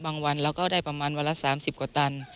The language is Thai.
วันเราก็ได้ประมาณวันละ๓๐กว่าตัน